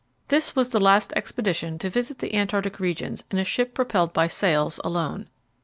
This was the last expedition to visit the Antarctic regions in a ship propelled by sails alone.